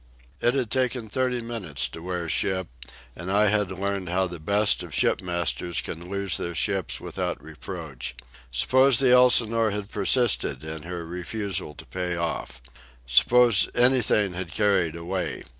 It had taken thirty minutes to wear ship, and I had learned how the best of shipmasters can lose their ships without reproach. Suppose the Elsinore had persisted in her refusal to payoff? Suppose anything had carried away?